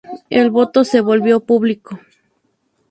El voto se volvió público.